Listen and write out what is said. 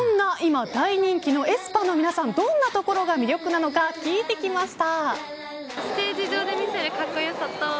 そんな大人気のａｅｓｐａの皆さん、どんなところが魅力なのか聞いてきました。